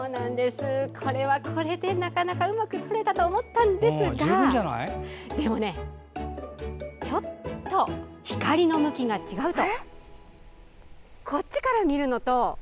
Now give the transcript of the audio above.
これはこれで、なかなかうまく撮れたと思ったんですがでも、ちょっと光の向きが違うと。